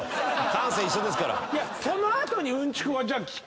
感性一緒ですから。